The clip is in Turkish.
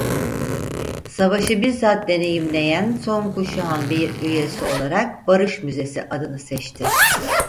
Savaşı bizzat deneyimleyen son kuşağın bir üyesi olarak "Barış Müzesi" adını seçti.